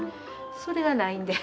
それがないんで。